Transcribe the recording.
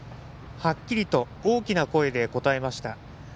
はっきりと大きな声で答えました。